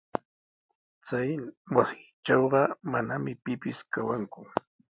Chay wasitrawqa manami pipis kawanku.